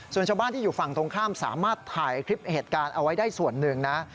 ส่วนชาวบ้านที่อยู่ฝั่งตรงข้ามสามารถถ่ายคลิปเหตุการณ์เอาไว้ได้ส่วนหนึ่งนะ